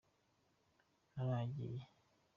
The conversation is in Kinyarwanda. naragiye.